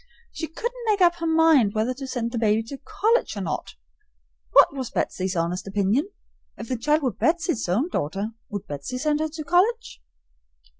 She couldn't make up her mind whether to send the baby to college or not. What was Betsy's honest opinion? If the child were Betsy's own daughter, would Betsy send her to college?